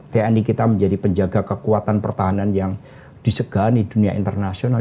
tni kita menjadi penjaga kekuatan pertahanan yang disegani dunia internasional